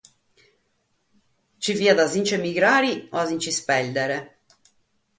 Si fiat a si nch’emigrare o a si nch’ispèrdere.